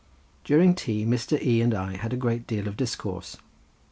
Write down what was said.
During tea Mr. E. and I had a great deal of discourse.